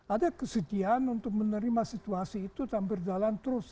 ada kesetiaan untuk menerima situasi itu dan berjalan terus